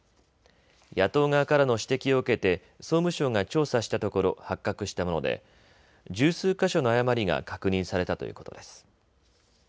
野党側からの指摘を受けて総務省が調査したところ発覚したもので十数か所の誤りが確認されたということです。